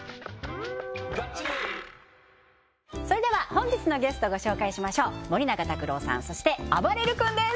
本日のゲストご紹介しましょう森永卓郎さんそしてあばれる君です